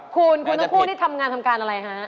คุณคุณทั้งคู่นี่ทำงานทำการอะไรฮะ